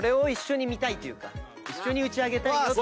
一緒に打ち上げたいよと。